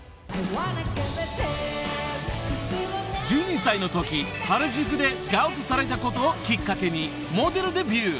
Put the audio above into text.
［１２歳のとき原宿でスカウトされたことをきっかけにモデルデビュー。